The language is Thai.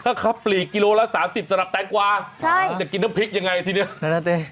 ถ้าเค้าปลีกกิโลละ๓๐สำหรับแตงกวแพงเนี่ยจะกินน้ำพริกยังไงทีเนี่ยใน๙๔หรือไหน